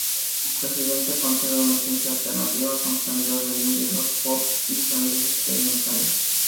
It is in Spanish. Presidente conserva una esencia alternativa, con sonidos del indie rock, pop y sonidos experimentales.